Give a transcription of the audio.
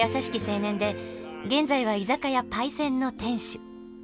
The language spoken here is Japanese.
青年で現在は居酒屋「パイセン」の店主。